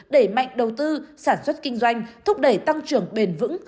đẩy mạnh đầu tư sản xuất kinh doanh thúc đẩy tăng trưởng bền vững